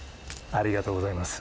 ありがとうございます。